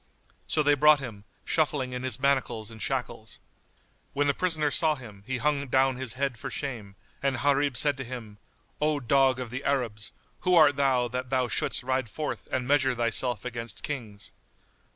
So they brought him, shuffling in his manacles and shackles. When the prisoner saw him, he hung down his head for shame; and Gharib said to him, "O dog of the Arabs, who art thou that thou shouldst ride forth and measure thyself against kings?"